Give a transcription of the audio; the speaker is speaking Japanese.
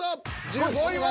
１５位は。